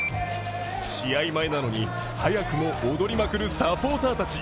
試合前なのに、早くも踊りまくるサポーターたち。